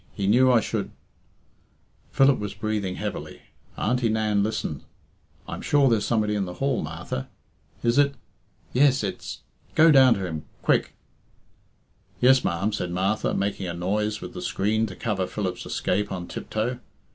He knew I should " Philip was breathing heavily. Auntie Nan listened. "I'm sure there's somebody in the hall, Martha. Is it ? Yes, it's ; Go down to him quick " "Yes, ma'am," said Martha, making a noise with the screen to cover Philip's escape on tiptoe.